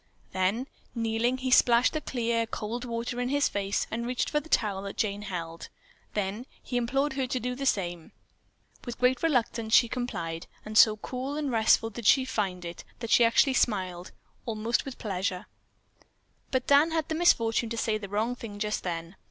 Then kneeling, he splashed the clear, cold water in his face and reached for the towel that Jane held. Then he implored her to do the same. With great reluctance she complied, and so cool and restful did she find it, that she actually smiled, almost with pleasure. But Dan had the misfortune to say the wrong thing just then.